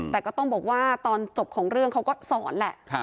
แต่ก็ต้องบอกว่าตอนจบของเรื่องเขาก็สอนแหละ